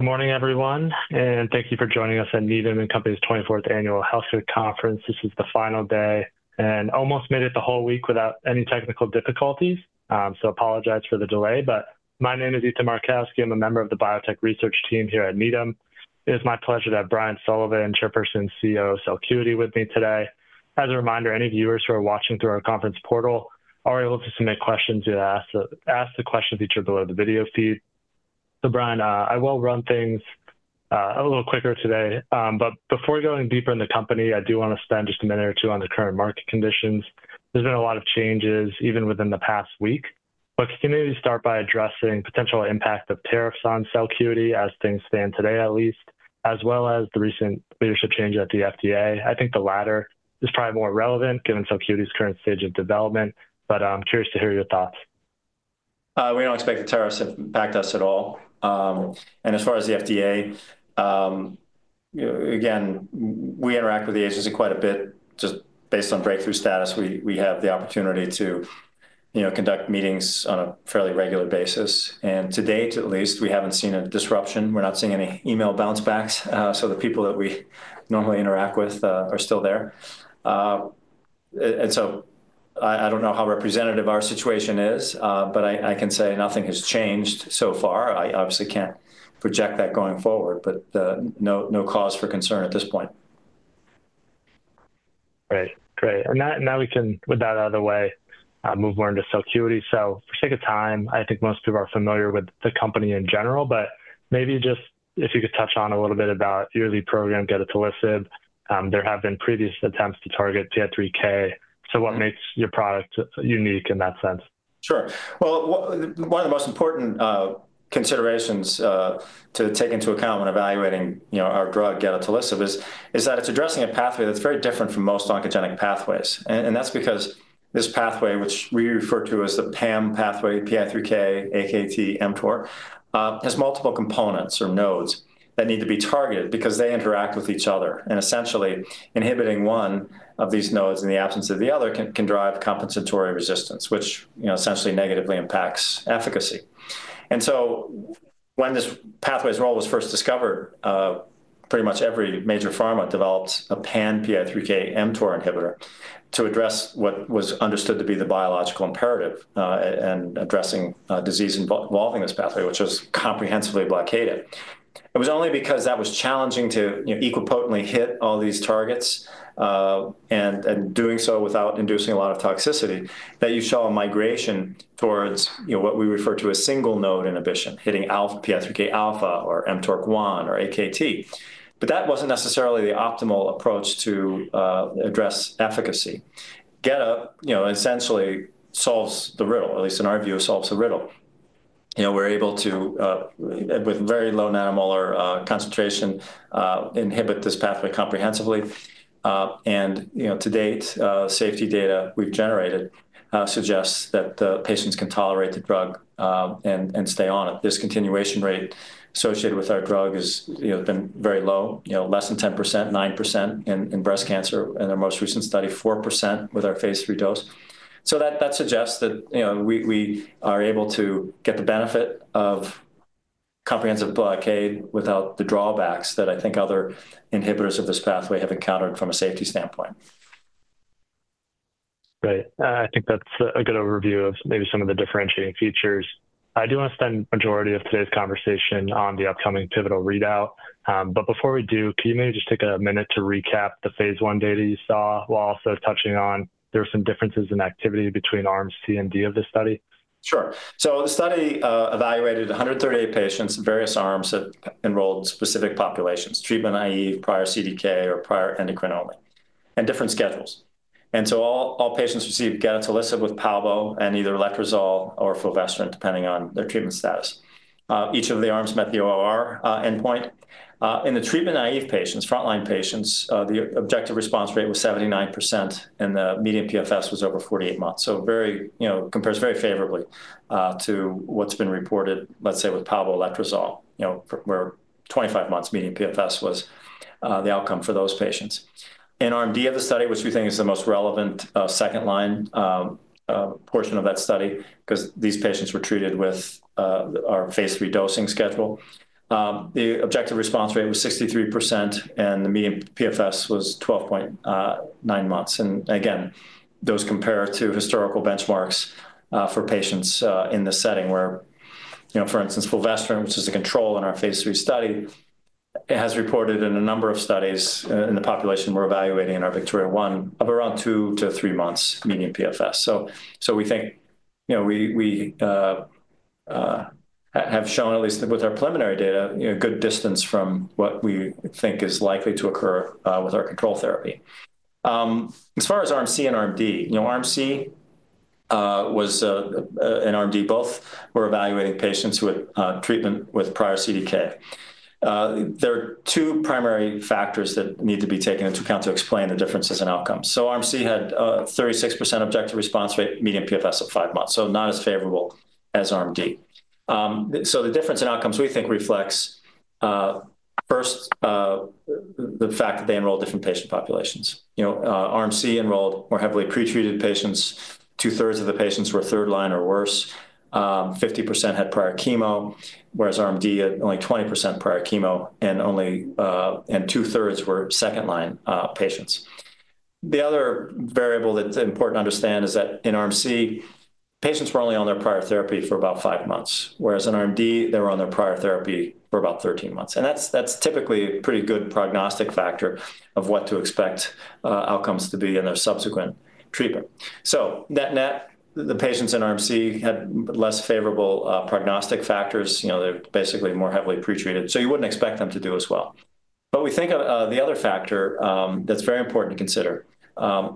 Good morning, everyone, and thank you for joining us at Needham & Company's 24th annual Healthcare conference. This is the final day, and we almost made it the whole week without any technical difficulties, so I apologize for the delay. My name is Ethan Markowski. I'm a member of the Biotech Research Team here at Needham. It is my pleasure to have Brian Sullivan, Chairperson and CEO of Celcuity with me today. As a reminder, any viewers who are watching through our conference portal are able to submit questions via the Ask the Question feature below the video feed. Brian, I will run things a little quicker today, but before going deeper into the company, I do want to spend just a minute or two on the current market conditions. There's been a lot of changes even within the past week, but can you start by addressing the potential impact of tariffs on Celcuity as things stand today, at least, as well as the recent leadership change at the FDA? I think the latter is probably more relevant given Celcuity's current stage of development, but I'm curious to hear your thoughts. We do not expect the tariffs to impact us at all. As far as the FDA, again, we interact with the agency quite a bit just based on breakthrough status. We have the opportunity to conduct meetings on a fairly regular basis. To date, at least, we have not seen a disruption. We are not seeing any email bounce backs, so the people that we normally interact with are still there. I do not know how representative our situation is, but I can say nothing has changed so far. I obviously cannot project that going forward, but no cause for concern at this point. Great. Great. With that out of the way, we can move more into Celcuity. For the sake of time, I think most people are familiar with the company in general, but maybe just if you could touch on a little bit about the yearly program, gedatolisib. There have been previous attempts to target PI3K. What makes your product unique in that sense? Sure. One of the most important considerations to take into account when evaluating our drug, gedatolisib, is that it's addressing a pathway that's very different from most oncogenic pathways. That's because this pathway, which we refer to as the PAM pathway, PI3K, AKT/mTOR, has multiple components or nodes that need to be targeted because they interact with each other. Essentially, inhibiting one of these nodes in the absence of the other can drive compensatory resistance, which essentially negatively impacts efficacy. When this pathway's role was first discovered, pretty much every major pharma developed a PAM PI3K mTOR inhibitor to address what was understood to be the biological imperative in addressing disease involving this pathway, which was comprehensively blockaded. It was only because that was challenging to equal potently hit all these targets and doing so without inducing a lot of toxicity that you saw a migration towards what we refer to as single node inhibition, hitting PI3K alpha or mTORC1 or AKT. That was not necessarily the optimal approach to address efficacy. Gedatolisib essentially solves the riddle, or at least in our view, solves the riddle. We are able to, with very low nanomolar concentration, inhibit this pathway comprehensively. To date, safety data we have generated suggests that the patients can tolerate the drug and stay on it. Discontinuation rate associated with our drug has been very low, less than 10%, 9% in breast cancer, and in our most recent study, 4% with our phase III dose. That suggests that we are able to get the benefit of comprehensive blockade without the drawbacks that I think other inhibitors of this pathway have encountered from a safety standpoint. Great. I think that's a good overview of maybe some of the differentiating features. I do want to spend the majority of today's conversation on the upcoming pivotal readout. Before we do, can you maybe just take a minute to recap the phase I data you saw while also touching on there were some differences in activity between arms C&D of the study? Sure. The study evaluated 138 patients in various arms that enrolled specific populations, treatment naive, prior CDK, or prior endocrine only, and different schedules. All patients received gedatolisib with palbociclib and either letrozole or fulvestrant, depending on their treatment status. Each of the arms met the ORR endpoint. In the treatment naive patients, frontline patients, the objective response rate was 79%, and the median PFS was over 48 months. It compares very favorably to what's been reported, let's say, with palbociclib letrozole, where 25 months median PFS was the outcome for those patients. In arm D of the study, which we think is the most relevant second line portion of that study because these patients were treated with our phase III dosing schedule, the objective response rate was 63%, and the median PFS was 12.9 months. Those compare to historical benchmarks for patients in this setting where, for instance, fulvestrant, which is a control in our phase III study, has reported in a number of studies in the population we are evaluating in our VIKTORIA-1 of around two-to three-month median PFS. We think we have shown, at least with our preliminary data, a good distance from what we think is likely to occur with our control therapy. As far as arm C and arm D, arm C and arm D both were evaluating patients with treatment with prior CDK. There are two primary factors that need to be taken into account to explain the differences in outcomes. Arm C had a 36% objective response rate, median PFS of five months, so not as favorable as arm D. The difference in outcomes we think reflects first the fact that they enrolled different patient populations. Arm C enrolled more heavily pretreated patients. Two-thirds of the patients were third line or worse. 50% had prior chemo, whereas arm D had only 20% prior chemo, and two-thirds were second line patients. The other variable that's important to understand is that in arm C, patients were only on their prior therapy for about five months, whereas in arm D, they were on their prior therapy for about 13 months. That's typically a pretty good prognostic factor of what to expect outcomes to be in their subsequent treatment. Net net, the patients in arm C had less favorable prognostic factors. They're basically more heavily pretreated, so you wouldn't expect them to do as well. We think the other factor that's very important to consider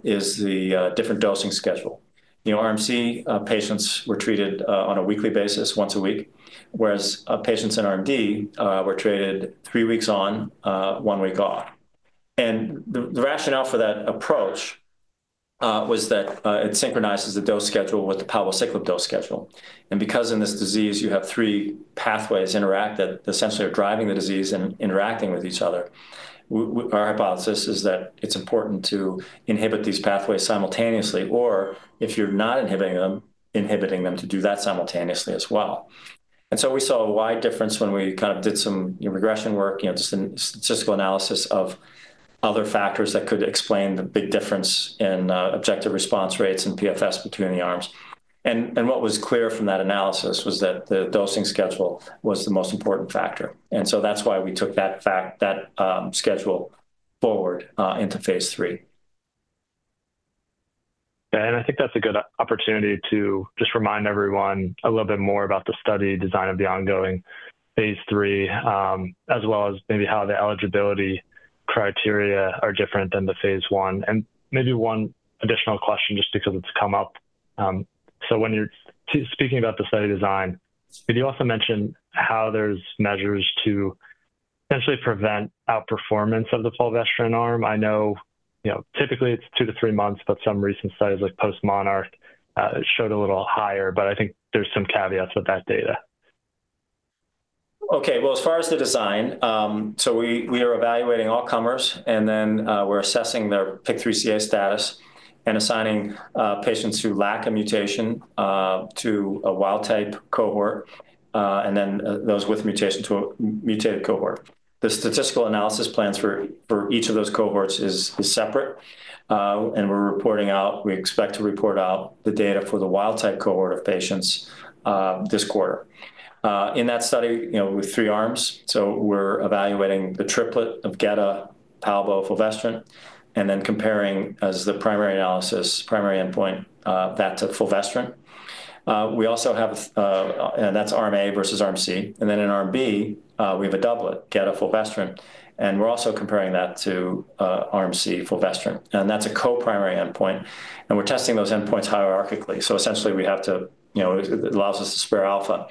is the different dosing schedule. Arm C patients were treated on a weekly basis once a week, whereas patients in arm D were treated three weeks on, one week off. The rationale for that approach was that it synchronizes the dose schedule with the palbociclib dose schedule. Because in this disease, you have three pathways interact that essentially are driving the disease and interacting with each other, our hypothesis is that it's important to inhibit these pathways simultaneously, or if you're not inhibiting them, inhibiting them to do that simultaneously as well. We saw a wide difference when we kind of did some regression work, just a statistical analysis of other factors that could explain the big difference in objective response rates and PFS between the arms. What was clear from that analysis was that the dosing schedule was the most important factor. That is why we took that schedule forward into phase III. I think that's a good opportunity to just remind everyone a little bit more about the study design of the ongoing phase III, as well as maybe how the eligibility criteria are different than the phase I. Maybe one additional question just because it's come up. When you're speaking about the study design, could you also mention how there's measures to essentially prevent outperformance of the fulvestrant arm? I know typically it's two to three months, but some recent studies like postMONARCH showed a little higher, but I think there's some caveats with that data. Okay. As far as the design, we are evaluating all comers, and then we're assessing their PIK3CA status and assigning patients who lack a mutation to a wild-type cohort and those with a mutation to a mutated cohort. The statistical analysis plans for each of those cohorts are separate, and we're reporting out, we expect to report out the data for the wild-type cohort of patients this quarter. In that study, we have three arms, so we're evaluating the triplet of gedatolisib, palbociclib, fulvestrant, and then comparing as the primary analysis, primary endpoint, that to fulvestrant. We also have, and that's arm A versus arm C. In arm B, we have a doublet, gedatolisib, fulvestrant, and we're also comparing that to arm C, fulvestrant. That's a co-primary endpoint, and we're testing those endpoints hierarchically. Essentially, we have to, it allows us to spare alpha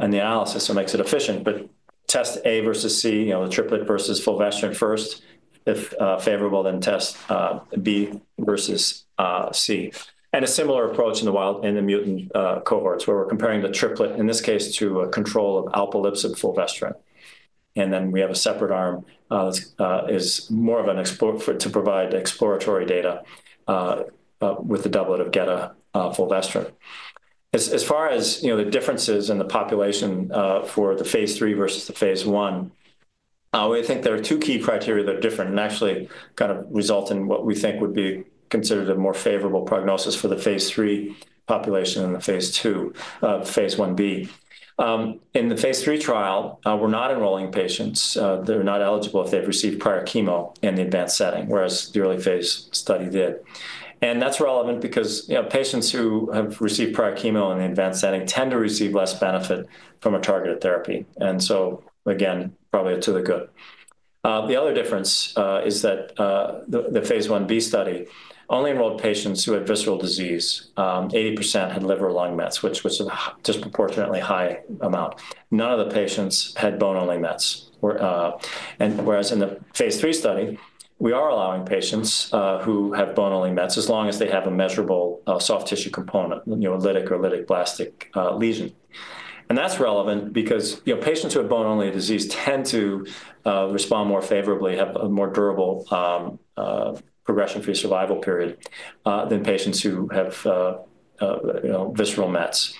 in the analysis, so it makes it efficient. Test A versus C, the triplet versus fulvestrant first. If favorable, then test B versus C. A similar approach in the mutant cohorts where we're comparing the triplet, in this case, to a control of alpelisib fulvestrant. We have a separate arm that is more of an exploratory data with the doublet of gedatolisib, fulvestrant. As far as the differences in the population for the phase III versus the phase I, we think there are two key criteria that are different and actually kind of result in what we think would be considered a more favorable prognosis for the phase III population and the phase II, phase I B. In the phase III trial, we're not enrolling patients. They're not eligible if they've received prior chemo in the advanced setting, whereas the early phase study did. That's relevant because patients who have received prior chemo in the advanced setting tend to receive less benefit from a targeted therapy. Again, probably to the good. The other difference is that the phase 1b study only enrolled patients who had visceral disease. 80% had liver or lung mets, which was a disproportionately high amount. None of the patients had bone-only mets. In the phase III study, we are allowing patients who have bone-only mets as long as they have a measurable soft tissue component, lytic or lytic blastic lesion. That's relevant because patients who have bone-only disease tend to respond more favorably, have a more durable progression-free survival period than patients who have visceral mets.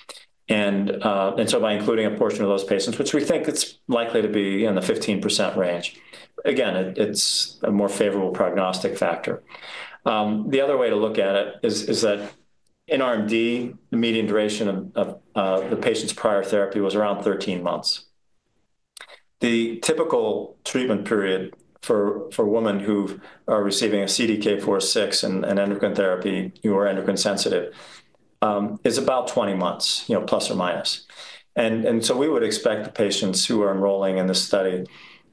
By including a portion of those patients, which we think is likely to be in the 15% range, again, it is a more favorable prognostic factor. The other way to look at it is that in arm D, the median duration of the patient's prior therapy was around 13 months. The typical treatment period for women who are receiving a CDK4/6 and endocrine therapy who are endocrine sensitive is about 20 months, plus or minus. We would expect the patients who are enrolling in this study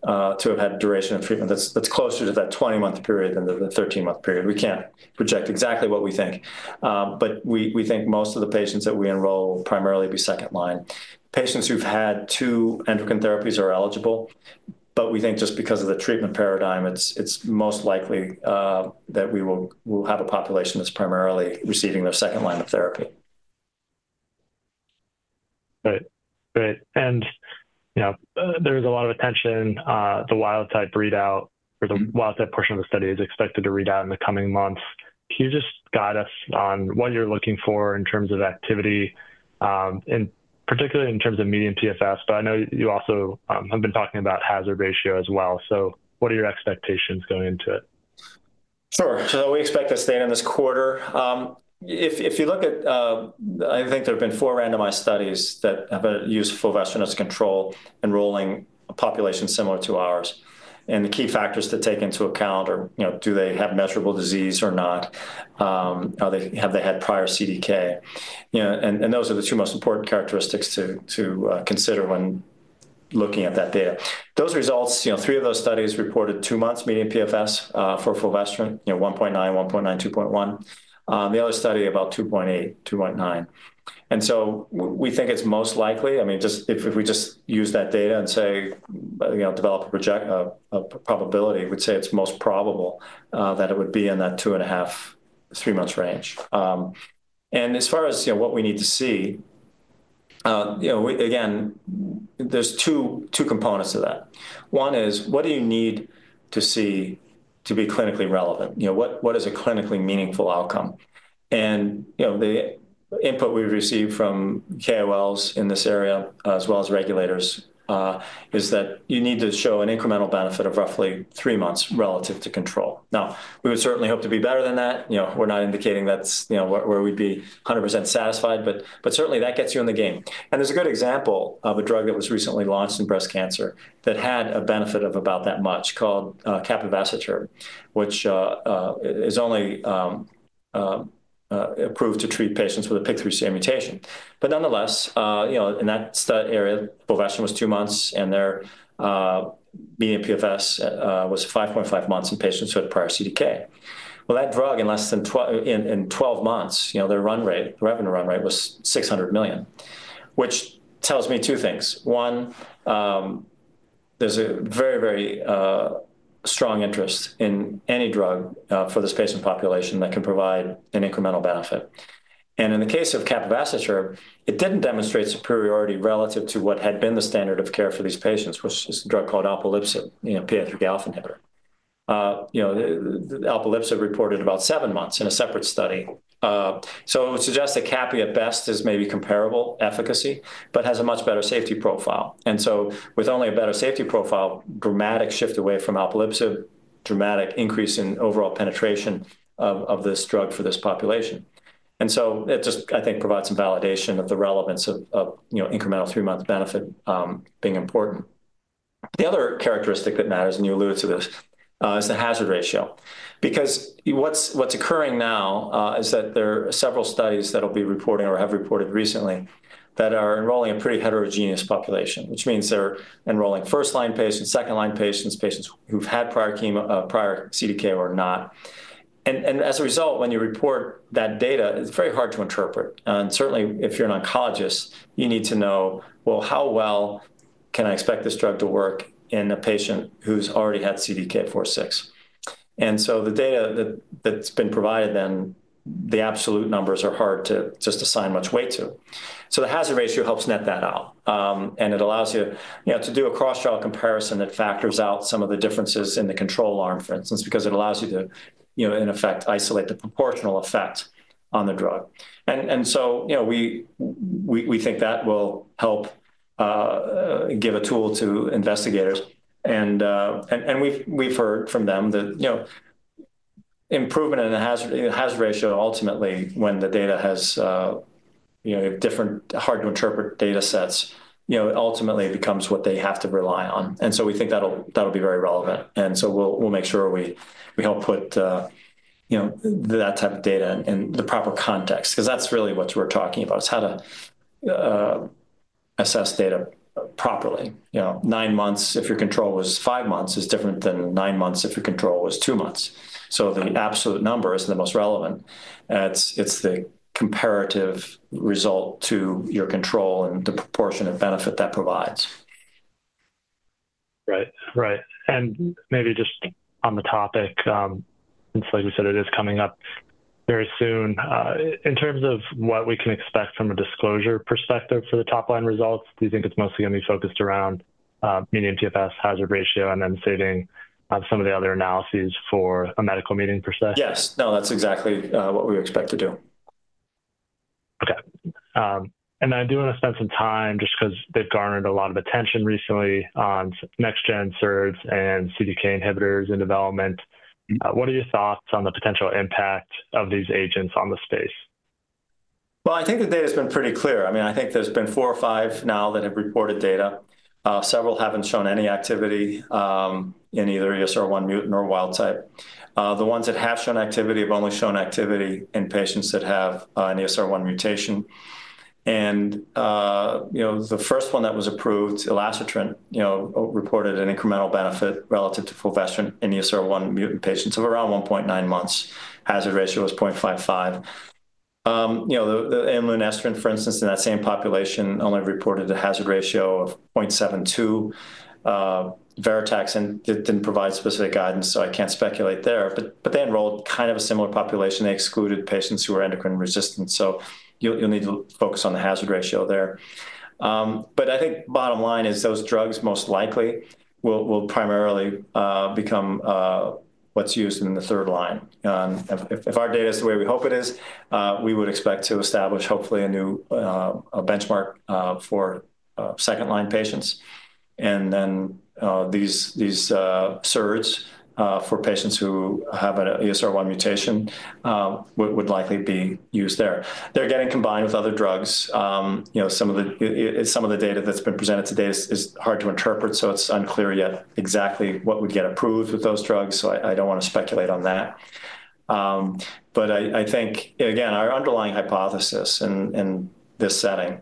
to have had a duration of treatment that is closer to that 20-month period than the 13-month period. We cannot project exactly what we think, but we think most of the patients that we enroll will primarily be second line. Patients who've had two endocrine therapies are eligible, but we think just because of the treatment paradigm, it's most likely that we will have a population that's primarily receiving their second line of therapy. Right. There's a lot of attention. The wild-type readout or the wild-type portion of the study is expected to read out in the coming months. Can you just guide us on what you're looking for in terms of activity, particularly in terms of median PFS? I know you also have been talking about hazard ratio as well. What are your expectations going into it? Sure. We expect to stay in this quarter. If you look at, I think there have been four randomized studies that have used fulvestrant as a control enrolling a population similar to ours. The key factors to take into account are, do they have measurable disease or not? Have they had prior CDK? Those are the two most important characteristics to consider when looking at that data. Those results, three of those studies reported two months median PFS for fulvestrant, 1.9, 1.9, 2.1. The other study about 2.8, 2.9. We think it's most likely, I mean, if we just use that data and say, develop a probability, we'd say it's most probable that it would be in that two and a half- to three-month range. As far as what we need to see, again, there's two components to that. One is, what do you need to see to be clinically relevant? What is a clinically meaningful outcome? The input we've received from KOLs in this area, as well as regulators, is that you need to show an incremental benefit of roughly three months relative to control. We would certainly hope to be better than that. We're not indicating that's where we'd be 100% satisfied, but certainly that gets you in the game. There's a good example of a drug that was recently launched in breast cancer that had a benefit of about that much called capivasertib, which is only approved to treat patients with a PIK3CA mutation. Nonetheless, in that study area, fulvestrant was two months, and their median PFS was 5.5 months in patients who had prior CDK. That drug in 12 months, their revenue run rate was $600 million, which tells me two things. One, there's a very, very strong interest in any drug for this patient population that can provide an incremental benefit. In the case of capivasertib, it didn't demonstrate superiority relative to what had been the standard of care for these patients, which is a drug called alpelisib, PI3K alpha inhibitor. Alpelisib reported about seven months in a separate study. It would suggest that Capi at best is maybe comparable efficacy, but has a much better safety profile. With only a better safety profile, dramatic shift away from alpelisib, dramatic increase in overall penetration of this drug for this population. It just, I think, provides some validation of the relevance of incremental three-month benefit being important. The other characteristic that matters, and you alluded to this, is the hazard ratio. Because what's occurring now is that there are several studies that will be reporting or have reported recently that are enrolling a pretty heterogeneous population, which means they're enrolling first-line patients, second-line patients, patients who've had prior CDK or not. As a result, when you report that data, it's very hard to interpret. Certainly, if you're an oncologist, you need to know, well, how well can I expect this drug to work in a patient who's already had CDK4/6? The data that's been provided then, the absolute numbers are hard to just assign much weight to. The hazard ratio helps net that out. It allows you to do a cross-draw comparison that factors out some of the differences in the control arm, for instance, because it allows you to, in effect, isolate the proportional effect on the drug. We think that will help give a tool to investigators. We have heard from them that improvement in the hazard ratio ultimately, when the data has different hard-to-interpret data sets, ultimately becomes what they have to rely on. We think that will be very relevant. We will make sure we help put that type of data in the proper context, because that is really what we are talking about. It is how to assess data properly. Nine months, if your control was five months, is different than nine months if your control was two months. The absolute number is the most relevant. It's the comparative result to your control and the proportion of benefit that provides. Right. Right. Maybe just on the topic, like you said, it is coming up very soon. In terms of what we can expect from a disclosure perspective for the top-line results, do you think it's mostly going to be focused around median PFS, hazard ratio, and then saving some of the other analyses for a medical meeting per se? Yes. No, that's exactly what we expect to do. Okay. I do want to spend some time just because they've garnered a lot of attention recently on next-gen SERDs and CDK inhibitors in development. What are your thoughts on the potential impact of these agents on the space? I think the data has been pretty clear. I mean, I think there have been four or five now that have reported data. Several have not shown any activity in either ESR1 mutant or wild type. The ones that have shown activity have only shown activity in patients that have an ESR1 mutation. The first one that was approved, elacestrant, reported an incremental benefit relative to fulvestrant in ESR1 mutant patients of around 1.9 months. Hazard ratio was 0.55. Imlunestrant, for instance, in that same population only reported a hazard ratio of 0.72. VERITAC did not provide specific guidance, so I cannot speculate there. They enrolled kind of a similar population. They excluded patients who were endocrine resistant. You will need to focus on the hazard ratio there. I think bottom line is those drugs most likely will primarily become what is used in the third line. If our data is the way we hope it is, we would expect to establish, hopefully, a benchmark for second-line patients. These SERDs for patients who have an ESR1 mutation would likely be used there. They're getting combined with other drugs. Some of the data that's been presented today is hard to interpret, so it's unclear yet exactly what would get approved with those drugs. I do not want to speculate on that. I think, again, our underlying hypothesis in this setting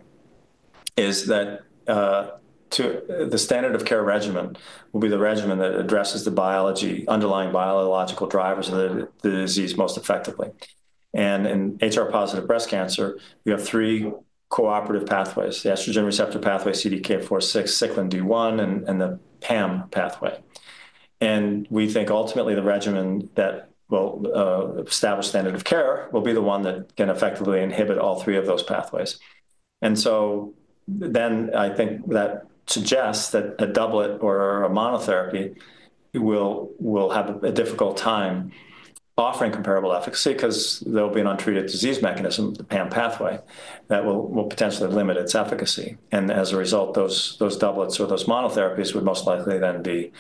is that the standard of care regimen will be the regimen that addresses the underlying biological drivers of the disease most effectively. In HR-positive breast cancer, we have three cooperative pathways: the estrogen receptor pathway, CDK4/6, cyclin D1, and the PAM pathway. We think ultimately the regimen that will establish standard of care will be the one that can effectively inhibit all three of those pathways. I think that suggests that a doublet or a monotherapy will have a difficult time offering comparable efficacy because there will be an untreated disease mechanism, the PAM pathway, that will potentially limit its efficacy. As a result, those doublets or those monotherapies would most likely then be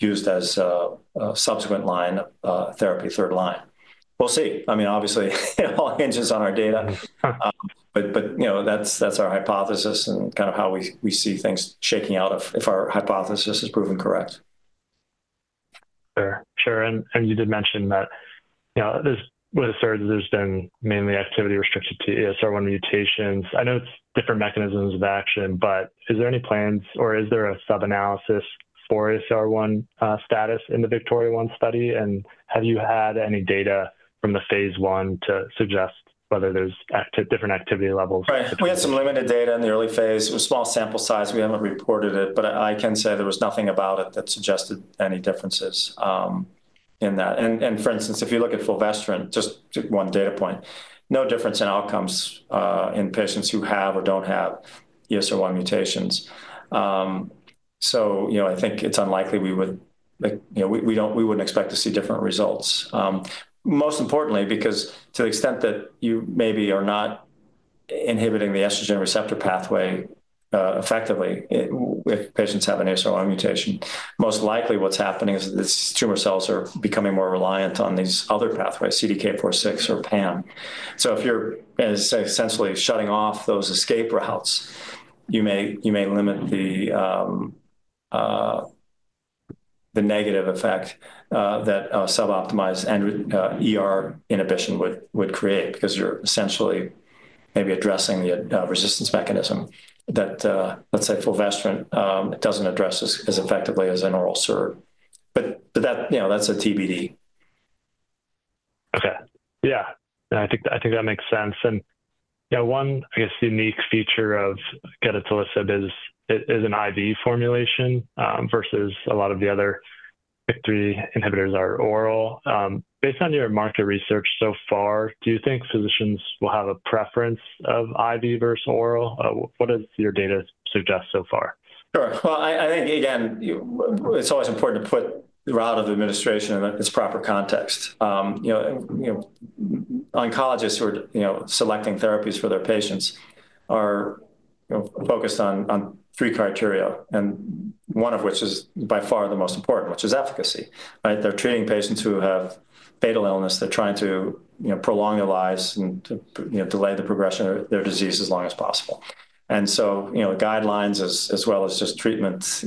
used as a subsequent line of therapy, third line. We'll see. I mean, obviously, it all hinges on our data. That's our hypothesis and kind of how we see things shaking out if our hypothesis is proven correct. Sure. Sure. You did mention that with SERDs, there's been mainly activity restricted to ESR1 mutations. I know it's different mechanisms of action, but is there any plans or is there a sub-analysis for ESR1 status in the VIKTORIA-1 study? Have you had any data from the phase one to suggest whether there's different activity levels? Right. We had some limited data in the early phase. It was small sample size. We haven't reported it, but I can say there was nothing about it that suggested any differences in that. For instance, if you look at fulvestrant, just one data point, no difference in outcomes in patients who have or don't have ESR1 mutations. I think it's unlikely we would expect to see different results. Most importantly, because to the extent that you maybe are not inhibiting the estrogen receptor pathway effectively if patients have an ESR1 mutation, most likely what's happening is these tumor cells are becoming more reliant on these other pathways, CDK4/6 or PAM. If you're essentially shutting off those escape routes, you may limit the negative effect that a sub-optimized inhibition would create because you're essentially maybe addressing the resistance mechanism that, let's say, fulvestrant doesn't address as effectively as an oral SERD. That's a TBD. Okay. Yeah. I think that makes sense. One, I guess, unique feature of gedatolisib is an IV formulation versus a lot of the other PI3K inhibitors are oral. Based on your market research so far, do you think physicians will have a preference of IV versus oral? What does your data suggest so far? Sure. I think, again, it's always important to put the route of administration in its proper context. Oncologists who are selecting therapies for their patients are focused on three criteria, and one of which is by far the most important, which is efficacy. They're treating patients who have fatal illness. They're trying to prolong their lives and delay the progression of their disease as long as possible. Guidelines, as well as just treatment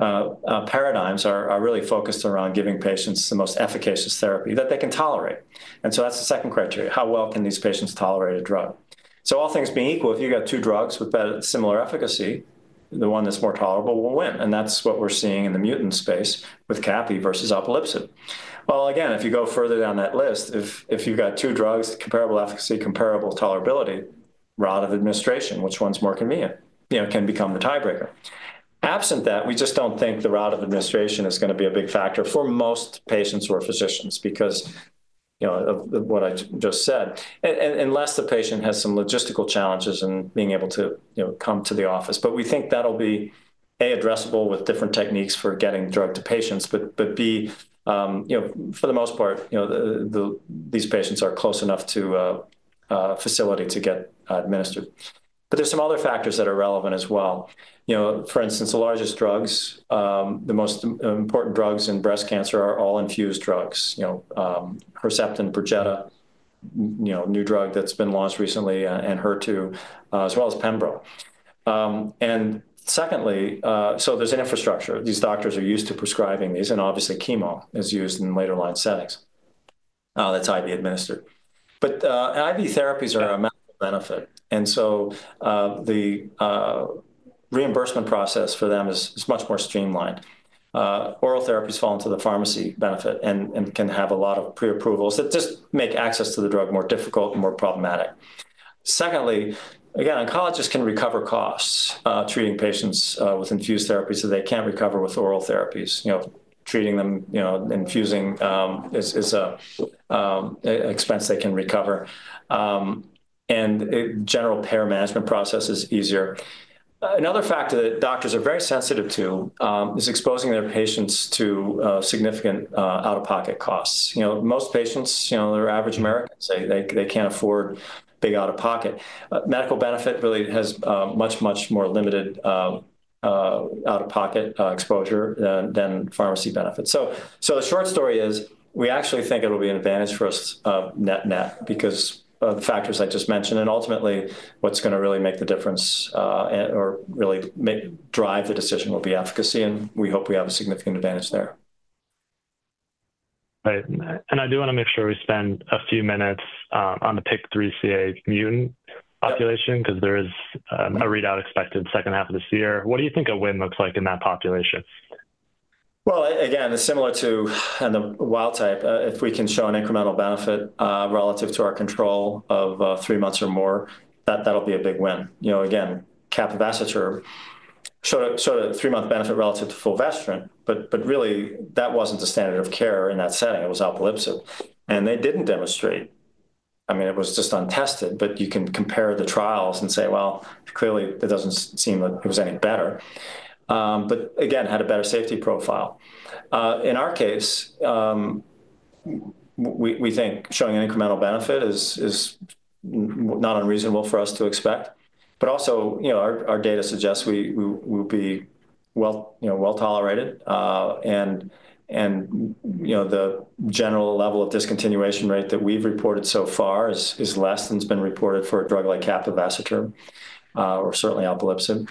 paradigms, are really focused around giving patients the most efficacious therapy that they can tolerate. That's the second criteria. How well can these patients tolerate a drug? All things being equal, if you've got two drugs with similar efficacy, the one that's more tolerable will win. That's what we're seeing in the mutant space with capivasertib versus alpelisib. If you go further down that list, if you've got two drugs, comparable efficacy, comparable tolerability, route of administration, which one's more convenient, can become the tiebreaker. Absent that, we just don't think the route of administration is going to be a big factor for most patients or physicians because of what I just said, unless the patient has some logistical challenges in being able to come to the office. We think that'll be, A, addressable with different techniques for getting drug to patients, but B, for the most part, these patients are close enough to a facility to get administered. There are some other factors that are relevant as well. For instance, the largest drugs, the most important drugs in breast cancer are all infused drugs, Herceptin, Perjeta, new drug that's been launched recently, Enhertu, as well as Pembro. Secondly, there's an infrastructure. These doctors are used to prescribing these, and obviously, chemo is used in later-line settings that's IV administered. IV therapies are a medical benefit. The reimbursement process for them is much more streamlined. Oral therapies fall into the pharmacy benefit and can have a lot of pre-approvals that just make access to the drug more difficult and more problematic. Secondly, again, oncologists can recover costs treating patients with infused therapies that they can't recover with oral therapies. Treating them, infusing is an expense they can recover. General care management process is easier. Another factor that doctors are very sensitive to is exposing their patients to significant out-of-pocket costs. Most patients, they're average Americans. They can't afford big out-of-pocket. Medical benefit really has much, much more limited out-of-pocket exposure than pharmacy benefits. We actually think it'll be an advantage for us net-net because of the factors I just mentioned. Ultimately, what's going to really make the difference or really drive the decision will be efficacy. We hope we have a significant advantage there. Right. I do want to make sure we spend a few minutes on the PIK3CA mutant population because there is a readout expected second half of this year. What do you think a win looks like in that population? Again, similar to the wild type, if we can show an incremental benefit relative to our control of three months or more, that'll be a big win. Again, capivasertib showed a three-month benefit relative to fulvestrant, but really, that wasn't the standard of care in that setting. It was alpelisib. And they didn't demonstrate, I mean, it was just untested, but you can compare the trials and say, well, clearly, it doesn't seem like it was any better, but again, had a better safety profile. In our case, we think showing an incremental benefit is not unreasonable for us to expect. Also, our data suggests we will be well tolerated. The general level of discontinuation rate that we've reported so far is less than has been reported for a drug like capivasertib or certainly alpelisib.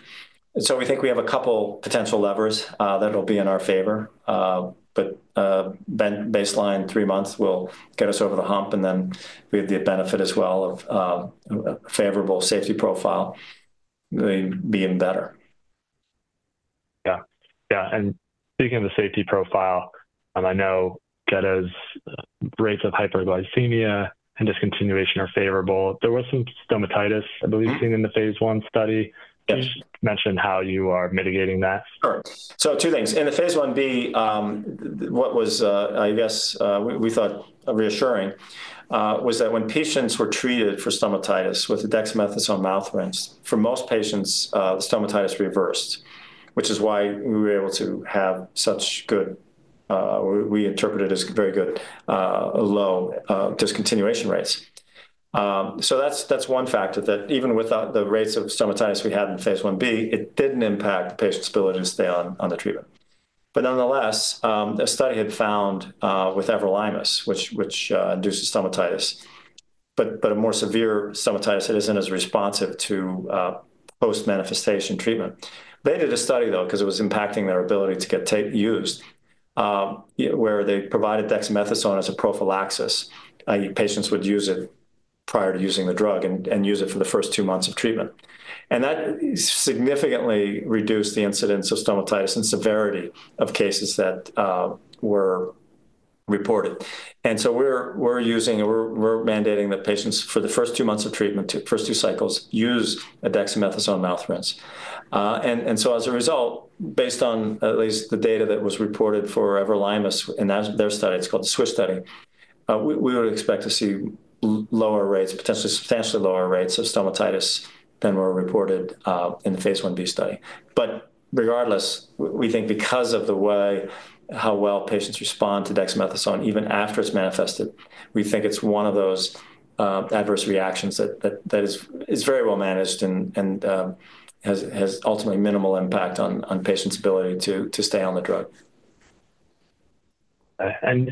We think we have a couple of potential levers that'll be in our favor. Baseline three months will get us over the hump. And then we have the benefit as well of a favorable safety profile. It'll be even better. Yeah. Yeah. Speaking of the safety profile, I know Getta's rates of hyperglycemia and discontinuation are favorable. There was some stomatitis, I believe, seen in the phase I study. You mentioned how you are mitigating that. Correct. Two things. In the phase 1b, what was, I guess, we thought reassuring was that when patients were treated for stomatitis with a dexamethasone mouth rinse, for most patients, stomatitis reversed, which is why we were able to have such good, we interpreted as very good, low discontinuation rates. That is one factor that even with the rates of stomatitis we had in phase one B, it did not impact the patient's ability to stay on the treatment. Nonetheless, a study had found with everolimus, which induces stomatitis, but a more severe stomatitis that is not as responsive to post-manifestation treatment. They did a study, though, because it was impacting their ability to get used, where they provided dexamethasone as a prophylaxis. Patients would use it prior to using the drug and use it for the first two months of treatment. That significantly reduced the incidence of stomatitis and severity of cases that were reported. We are mandating that patients for the first two months of treatment, first two cycles, use a dexamethasone mouth rinse. As a result, based on at least the data that was reported for everolimus in their study, called the SWISH study, we would expect to see lower rates, potentially substantially lower rates of stomatitis than were reported in the phase 1b study. Regardless, we think because of how well patients respond to dexamethasone even after it has manifested, we think it is one of those adverse reactions that is very well managed and has ultimately minimal impact on patients' ability to stay on the drug.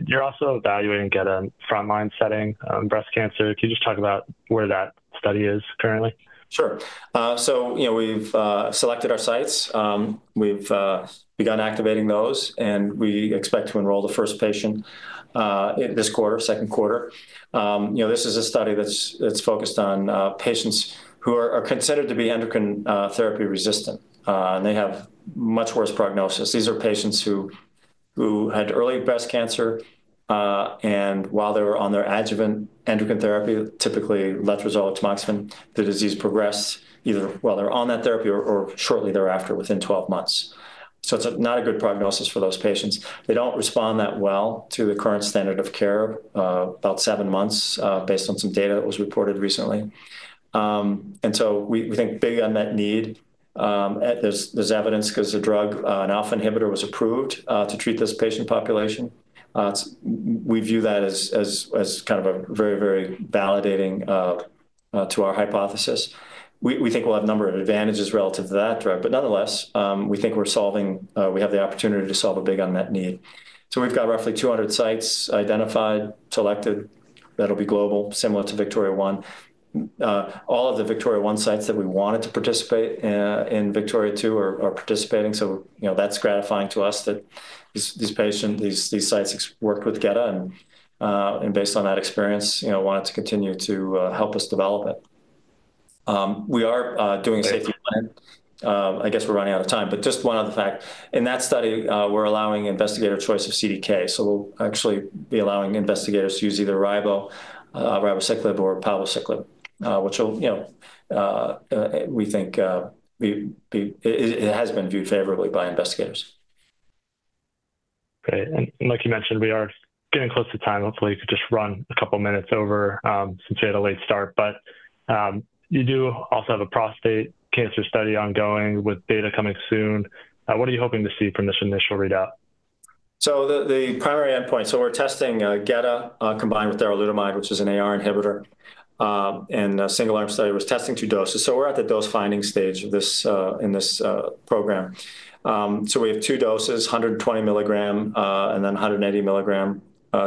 You're also evaluating gedatolisib in frontline setting breast cancer. Can you just talk about where that study is currently? Sure. We have selected our sites. We have begun activating those, and we expect to enroll the first patient this quarter, second quarter. This is a study that is focused on patients who are considered to be endocrine therapy resistant, and they have much worse prognosis. These are patients who had early breast cancer, and while they were on their adjuvant endocrine therapy, typically letrozole or tamoxifen, the disease progressed either while they are on that therapy or shortly thereafter within 12 months. It is not a good prognosis for those patients. They do not respond that well to the current standard of care, about seven months based on some data that was reported recently. We think big unmet need. There is evidence because the drug, an alpha inhibitor, was approved to treat this patient population. We view that as kind of very, very validating to our hypothesis. We think we'll have a number of advantages relative to that drug. Nonetheless, we think we have the opportunity to solve a big unmet need. We've got roughly 200 sites identified, selected. That'll be global, similar to VIKTORIA-1. All of the VIKTORIA-1 sites that we wanted to participate in VIKTORIA-2 are participating. That's gratifying to us that these sites worked with gedatolisib, and based on that experience, wanted to continue to help us develop it. We are doing a safety plan. I guess we're running out of time. Just one other fact. In that study, we're allowing investigator choice of CDK. We'll actually be allowing investigators to use either ribociclib or palbociclib, which we think has been viewed favorably by investigators. Great. Like you mentioned, we are getting close to time. Hopefully, you could just run a couple of minutes over since we had a late start. You do also have a prostate cancer study ongoing with data coming soon. What are you hoping to see from this initial readout? The primary endpoint, we're testing gedatolisib combined with darolutamide, which is an AR inhibitor. A single-arm study was testing two doses. We're at the dose finding stage in this program. We have two doses, 120 milligram and 180 milligram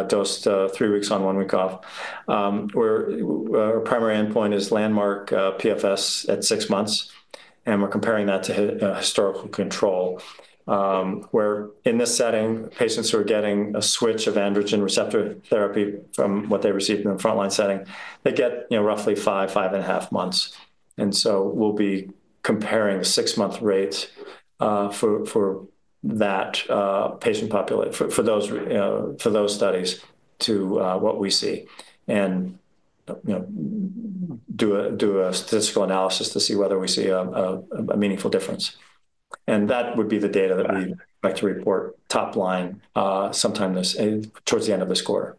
dosed three weeks on, one week off. Our primary endpoint is landmark PFS at six months. We're comparing that to historical control, where in this setting, patients who are getting a switch of androgen receptor therapy from what they received in the frontline setting, they get roughly five, five and a half months. We'll be comparing six-month rates for that patient population, for those studies to what we see and do a statistical analysis to see whether we see a meaningful difference. That would be the data that we'd like to report top line sometime towards the end of this quarter.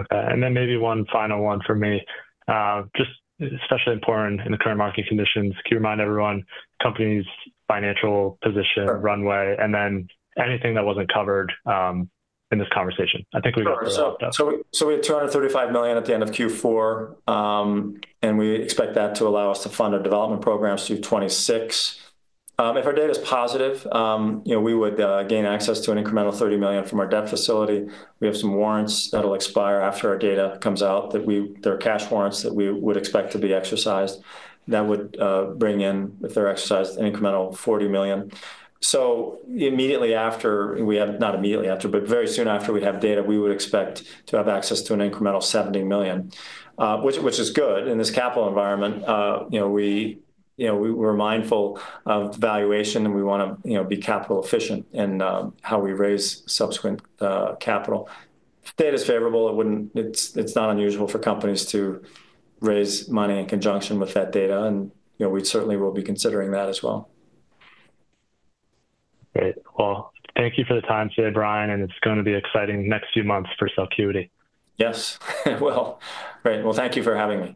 Okay. Maybe one final one for me, just especially important in the current market conditions. Can you remind everyone, companies' financial position, runway, and then anything that was not covered in this conversation? I think we got that. Sure. We had $235 million at the end of Q4, and we expect that to allow us to fund our development programs through 2026. If our data is positive, we would gain access to an incremental $30 million from our debt facility. We have some warrants that'll expire after our data comes out, they're cash warrants that we would expect to be exercised. That would bring in, if they're exercised, an incremental $40 million. Very soon after we have data, we would expect to have access to an incremental $70 million, which is good. In this capital environment, we're mindful of valuation, and we want to be capital efficient in how we raise subsequent capital. If data is favorable, it's not unusual for companies to raise money in conjunction with that data. We certainly will be considering that as well. Great. Thank you for the time, Brian. It is going to be an exciting next few months for Celcuity. Yes. Great. Thank you for having me.